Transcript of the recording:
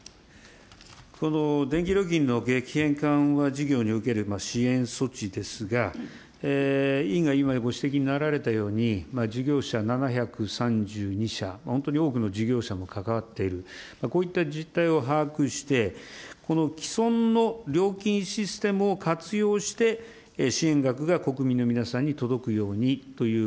この電気料金の激変緩和事業における支援措置ですが、委員が今ご指摘になられたように、事業者７３２社、本当に多くの事業者が関わっている、こういった実態を把握して、この既存の料金システムを活用して、支援額が国民の皆さんに届くようにという、